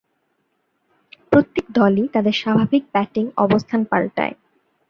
প্রত্যেক দলই তাদের স্বাভাবিক ব্যাটিং অবস্থান পাল্টায়।